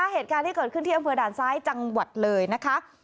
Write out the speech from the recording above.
เหตุการณ์ที่เกิดขึ้นที่อำเภอด่านซ้ายจังหวัดเลยนะคะ